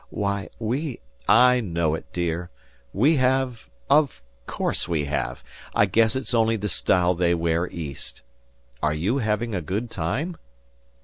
Why, we " "I know it, dear. We have of course we have. I guess it's only the style they wear East. Are you having a good time?"